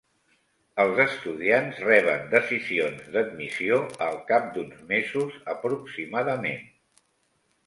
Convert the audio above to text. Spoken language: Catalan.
Els estudiants reben decisions d'admissió al cap d'uns mesos, aproximadament.